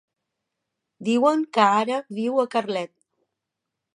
Diuen que ara viu a Carlet.